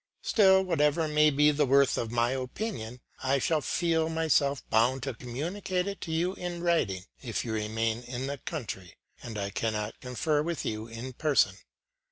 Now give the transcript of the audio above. Still, whatever may be the worth of my opinion I shall feel myself bound to communicate it to you in writing, if you remain in the country, and I cannot confer with you in person.